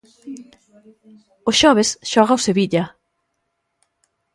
O xoves xoga o Sevilla.